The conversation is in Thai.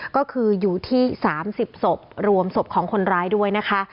ก็คืออยู่ที่๓๐ศพรวมศพของคนร้ายด้วยนะคะ